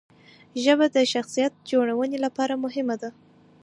ژبه د شخصیت جوړونې لپاره مهمه ده.